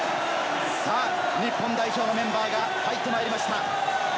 日本代表のメンバーが入ってまいりました。